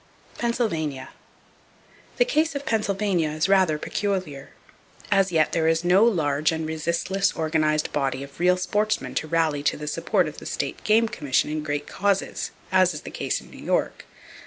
Pennsylvania. —The case of Pennsylvania is rather peculiar. As yet there is no large and resistless organized body of real sportsmen to rally to the support of the State Game Commission in great causes, as is the case in New York.